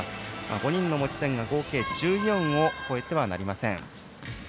５人の持ち点が合計１４を超えてはなりません。